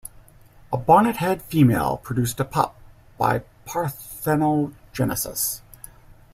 A bonnethead female produced a pup by parthenogenesis.